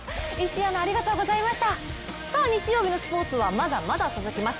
日曜日のスポーツはまだまだ続きます。